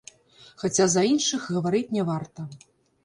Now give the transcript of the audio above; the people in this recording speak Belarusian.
Хаця за іншых гаварыць не варта.